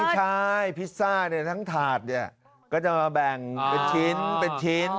ไม่ใช่พิซซ่าแถ่งถาดเนี่ยก็จะมาแบ่งเป็นชิ้น